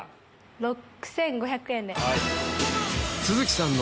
６５００円で。